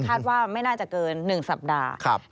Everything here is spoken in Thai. คาดว่าไม่น่าจะเกิน๑สัปดาห์